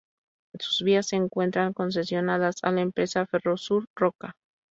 Sus vías se encuentran concesionadas a la empresa Ferrosur Roca.